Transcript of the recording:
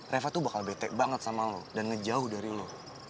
reva tuh bakal bete banget sama lu dan ngejauh dari lu